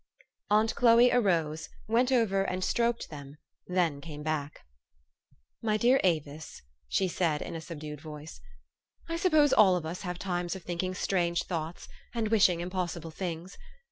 Aunt Chloe arose, went over and stroked them, then came back. 4 'My dear Avis," she said in a subdued voice, " I suppose all of us have times of thinking strange thoughts, and wishing impossible things.